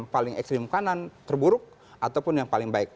paling ekstrim kanan terburuk ataupun yang paling baik